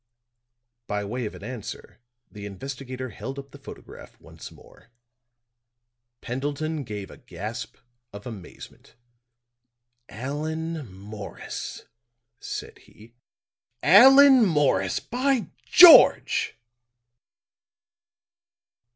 By way of an answer the investigator held up the photograph once more. Pendleton gave a gasp of amazement. "Allan Morris," said he. "_Allan Morris, by George!